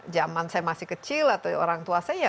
zaman saya masih kecil atau orang tua saya ya